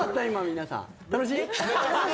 今皆さん。